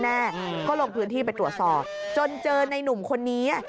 แน่ก็ลงพื้นที่ไปตรวจสอบจนเจอในนุ่มคนนี้